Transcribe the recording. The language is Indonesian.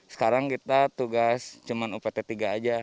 sekarang kita tugas cuma upt tiga aja